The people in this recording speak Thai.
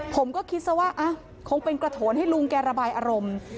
ผมก็คิดซะว่าคงเป็นกระโถนให้ลุงแกระบายอารมณ์